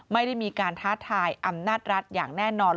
ไม่ได้มีการท้าทายอำนาจรัฐอย่างแน่นอน